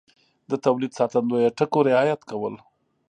د تولید ساتندویه ټکو رعایت کول